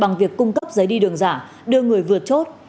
giấy đi đường giả đưa người vượt chốt